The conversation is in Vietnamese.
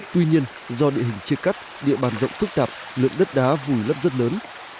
tuy nhiên do địa hình chia cắt địa bàn rộng phức tạp lượng đất đá vùi lấp rất lớn